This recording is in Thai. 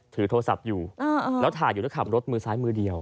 ถือโทรศัพท์อยู่แล้วถ่ายอยู่แล้วขับรถมือซ้ายมือเดียว